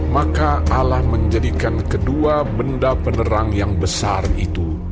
maka allah menjadikan kedua benda penerang yang besar itu